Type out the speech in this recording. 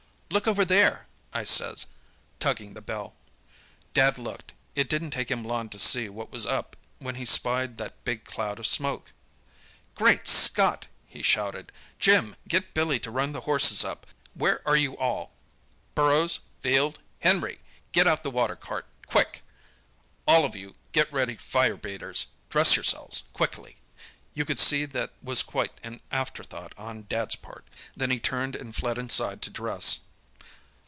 "'Look over there!' I says, tugging the bell. "Dad looked. It didn't take him long to see what was up when he spied that big cloud of smoke. "'Great Scott!' he shouted. 'Jim, get Billy to run the horses up. Where are you all? Burrows, Field, Henry! Get out the water cart—quick. All of you get ready fire beaters. Dress yourselves—quickly!' (You could see that was quite an afterthought on Dad's part.) Then he turned and fled inside to dress."